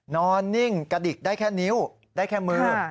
นิ่งกระดิกได้แค่นิ้วได้แค่มือ